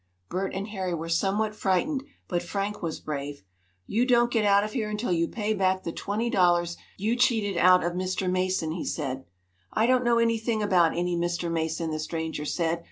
Bert and Harry were somewhat frightened, but Frank was brave. "You don't get out of here until you pay back the twenty dollars you cheated out of Mr. Mason," he said. "I don't know anything about any Mr. Mason!" the stranger said.